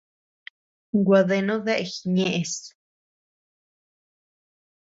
Gua deanu dea jiñeʼes.